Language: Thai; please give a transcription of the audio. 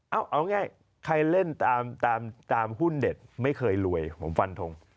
เอาง่ายใครเล่นตามหุ้นเด็ดไม่เคยรวยผมฟันทง